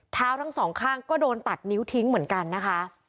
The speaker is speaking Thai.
ทั้งสองข้างก็โดนตัดนิ้วทิ้งเหมือนกันนะคะ